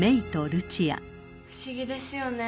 不思議ですよね